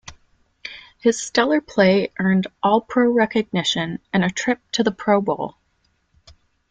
His stellar play earned All-Pro recognition and a trip to the Pro Bowl.